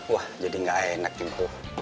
wah jadi gak enak bro